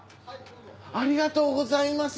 ありがとうございます。